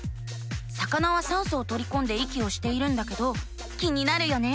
魚は酸素をとりこんで息をしているんだけど気になるよね。